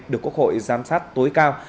được quốc hội giám sát tối cao